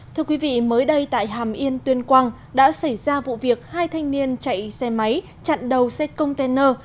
thưa quý vị mới đây tại hàm yên tuyên quang đã xảy ra vụ việc hai thanh niên chạy xe máy chặn đầu xe container